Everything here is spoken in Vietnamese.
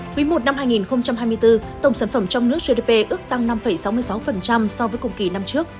quý i năm hai nghìn hai mươi bốn tổng sản phẩm trong nước gdp ước tăng năm sáu mươi sáu so với cùng kỳ năm trước